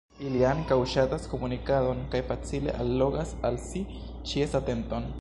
Ili ankaŭ ŝatas komunikadon, kaj facile allogas al si ĉies atenton.